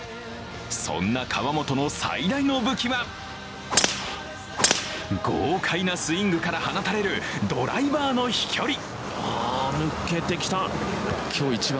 そんな河本の最大の武器は豪快なスイングから放たれるドライバーの飛距離。